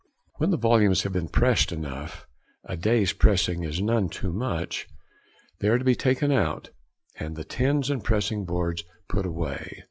When the volumes have been pressed enough (a day's pressing is none too much) they are to be taken out, and the tins and pressing boards put away.